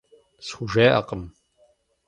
СхужеӀакъым.